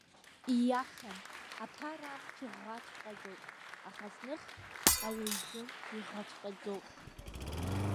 Ииашан, аԥара амч ӷәӷәаҵәҟьаӡоуп, аха зных, ауаҩ изын иӷаҵәҟьаӡоуп.